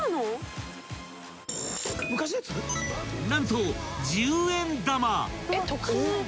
［何と］